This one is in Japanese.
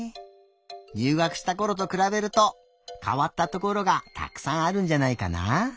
入学したころとくらべるとかわったところがたくさんあるんじゃないかな？